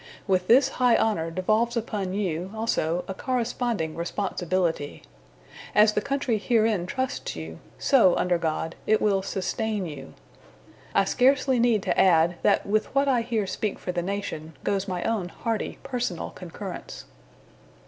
With this high honor devolves upon you, also, a corresponding responsibility. As the country herein trusts you, so, under God, it will sustain you. I scarcely need to add that with what I here speak for the nation, goes my own hearty personal concurrence."